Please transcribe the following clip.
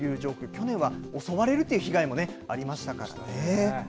去年は襲われるという被害もありましたからね。